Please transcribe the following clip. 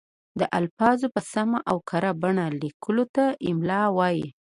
د الفاظو په سمه او کره بڼه لیکلو ته املاء وايي.